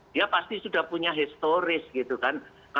dia pasti sudah punya historis gitu kan